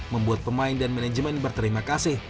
membuat pemain dan manajemen berterima kasih